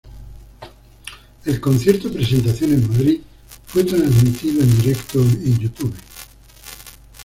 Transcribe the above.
El concierto presentación en Madrid fue transmitido en directo en YouTube.